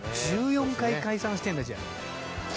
「１４回解散してるんだじゃあ」